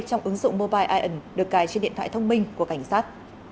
trong ứng dụng mobile ion được cài trên điện thoại thông minh của cảnh sát